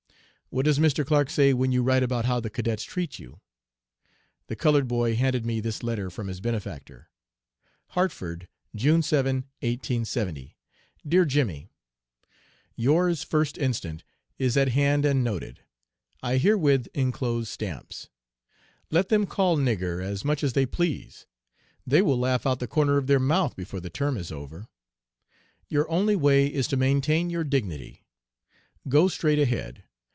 "'What does Mr. Clark say when you write about how the cadets treat you?' "The colored boy handed me this letter from his benefactor: "'HARTFORD, June 7, 1870. "'DEAR JEMMY: Yours, 1st inst., is at hand and noted. I herewith inclose stamps. "'Let them call "nigger" as much as they please; they will laugh out of the other corner of their mouth before the term is over. "'Your only way is to maintain your dignity. Go straight ahead.